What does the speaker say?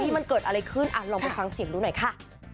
มันเกิดอะไรขึ้นลองไปฟังเสียงดูหน่อยค่ะ